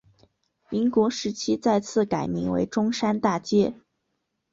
民国时期再次改名为中山大街。